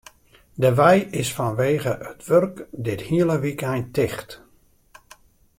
De wei is fanwegen it wurk dit hiele wykein ticht.